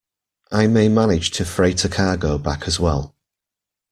I may manage to freight a cargo back as well.